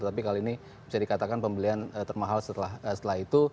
tapi kali ini bisa dikatakan pembelian termahal setelah itu